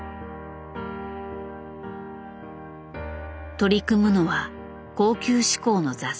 取り組むのは高級志向の雑誌。